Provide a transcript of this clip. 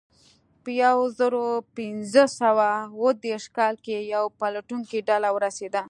په یو زرو پینځه سوه اوه دېرش کال کې یوه پلټونکې ډله ورسېده.